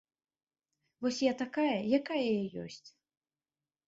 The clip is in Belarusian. Вось я такая, якая я ёсць.